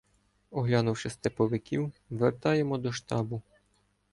Оглянувши степовиків, вертаємо до штабу.